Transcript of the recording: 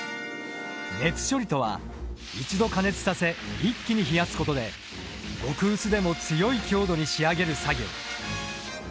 熱処理とは一度加熱させ一気に冷やすことで極薄でも強い強度に仕上げる作業。